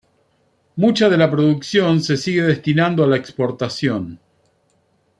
Mucha de la producción se sigue destinando a la exportación.